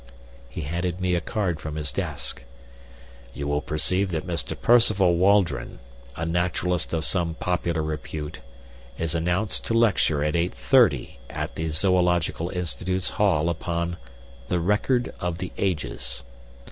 He handed me a card from his desk. "You will perceive that Mr. Percival Waldron, a naturalist of some popular repute, is announced to lecture at eight thirty at the Zoological Institute's Hall upon 'The Record of the Ages.'